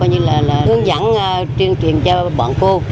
hướng dẫn truyền truyền cho bọn cô